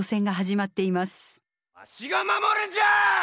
「わしが守るんじゃ！」。